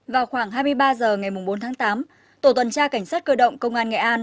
vào khoảng hai mươi ba h ngày bốn tháng tám tổ tuần tra cảnh sát cơ động công an nghệ an